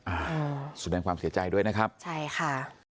อ่าแสดงความเสียใจด้วยนะครับใช่ค่ะ